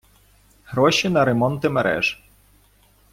Гроші на ремонти мереж